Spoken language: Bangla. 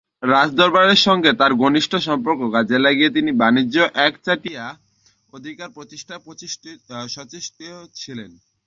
রাজদরবারের সঙ্গে তাঁর ঘনিষ্ট সম্পর্ক কাজে লাগিয়ে তিনি বাণিজ্যে একচেটিয়া অধিকার প্রতিষ্ঠায় সচেষ্ট ছিলেন।